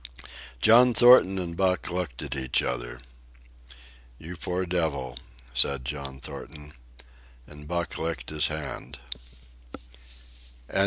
John Thornton and Buck looked at each other. "You poor devil," said John Thornton, and Buck licked his hand.